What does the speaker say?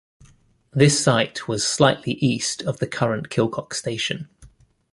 This site was slightly east of the current Kilcock station.